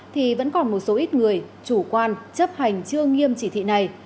thì vẫn còn một số ít người chủ quan chấp hành chưa nghiêm chỉ thị này